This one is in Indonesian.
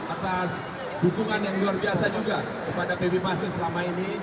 atas dukungan yang luar biasa juga kepada pb masif selama ini